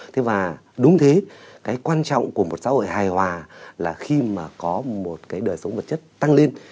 thế và đúng thế cái quan trọng của một xã hội hài hòa là khi mà có một cái đời sống vật chất tăng lên